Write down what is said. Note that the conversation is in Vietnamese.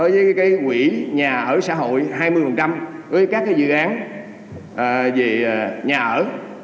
với quỹ nhà ở xã hội hai mươi với các dự án về nhà ở